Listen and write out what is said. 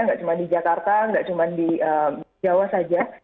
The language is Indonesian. tidak cuma di jakarta tidak cuma di jawa saja